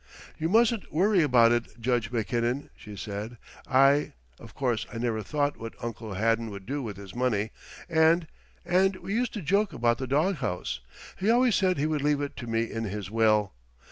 "You mustn't worry about it, Judge Mackinnon," she said. "I of course I never thought what Uncle Haddon would do with his money. And and we used to joke about the dog house. He always said he would leave it to me in his will.